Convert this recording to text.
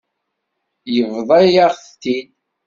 Yebḍa-yaɣ-t-id.